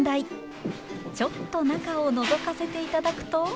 ちょっと中をのぞかせていただくと。